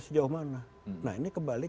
sejauh mana nah ini kembali